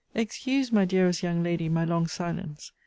Excuse, my dearest young lady, my long silence.